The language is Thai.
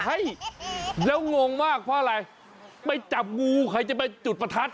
ให้แล้วงงมากเพราะอะไรไปจับงูใครจะไปจุดประทัด